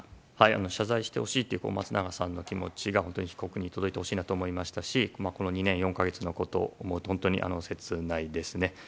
謝罪してほしいという松永さんの気持ちが被告に届いてほしいなと思いましたしこの２年４か月のことを思うと本当に切ないですね。